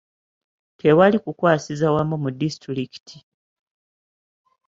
Tewali kukwasiza wamu ku disitulikiti.